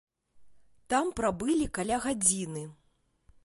Там прабылі каля гадзіны.